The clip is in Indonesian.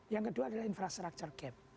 yang kedua adalah infrastructure gap